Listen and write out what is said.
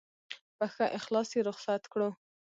په ښه اخلاص یې رخصت کړو.